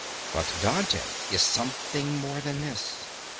But Dante is something more than this.